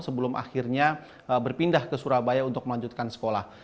sebelum akhirnya berpindah ke surabaya untuk melanjutkan sekolah